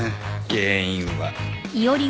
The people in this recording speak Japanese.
原因は。